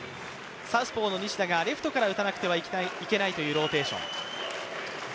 サウスポーの西田がレフトから打たなくてはいけないというローテーション。